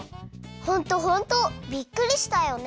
ホントホント！びっくりしたよね！